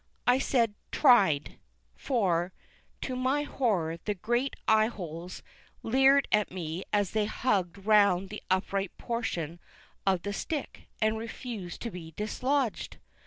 I say tried; for, to my horror, the great eyeholes leered at me as they hugged round the upright portion of the stick and refused to be dislodged.